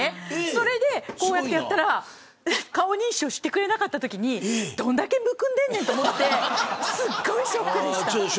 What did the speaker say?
それで、こうやってやったら顔認証してくれなかったときにどんだけ、むくんでんねんと思って、すごいショックでした。